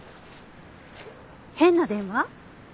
変な電話？